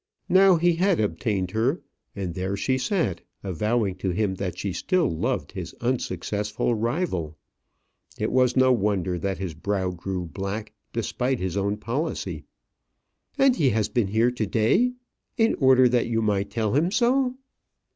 Now he had obtained her; and there she sat, avowing to him that she still loved his unsuccessful rival. It was no wonder that his brow grew black, despite his own policy. "And he has been here to day in order that you might tell him so?"